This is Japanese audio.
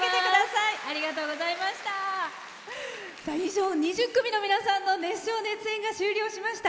以上２０組の皆さんの熱唱・熱演が終了しました。